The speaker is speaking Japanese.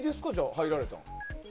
入られたの。